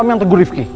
aku mau pergi ke rumah